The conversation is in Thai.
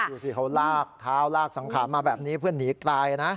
ดูสิเขาลากเท้าลากสังขารมาแบบนี้เพื่อหนีกลายนะ